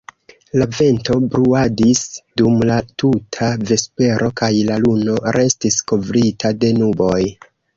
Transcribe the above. La vento bruadis dum la tuta vespero, kaj la luno restis kovrita de nuboj.